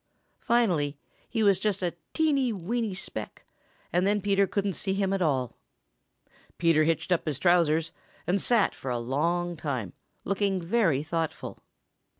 Finally he was just a teeny, weeny speck, and then Peter couldn't see him at all. Peter hitched up his trousers and sat for a long time, looking very thoughtful.